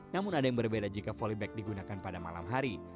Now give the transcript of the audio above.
namun ada yang berbeda jika volleybag digunakan pada malam hari